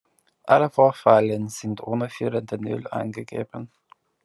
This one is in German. Alle Vorwahlen sind ohne führende Null angegeben.